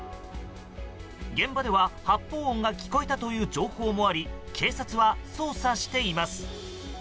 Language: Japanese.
現場では、発砲音が聞こえたという情報もあり警察は捜査しています。